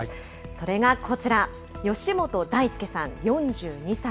それがこちら、吉本泰輔さん４２歳。